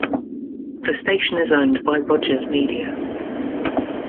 The station is owned by Rogers Media.